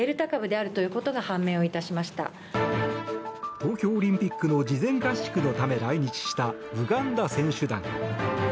東京オリンピックの事前合宿のため来日したウガンダ選手団。